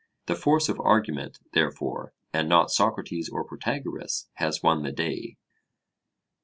The force of argument, therefore, and not Socrates or Protagoras, has won the day.